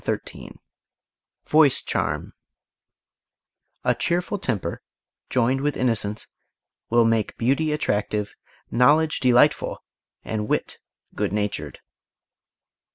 CHAPTER XIII VOICE CHARM A cheerful temper joined with innocence will make beauty attractive, knowledge delightful, and wit good natured.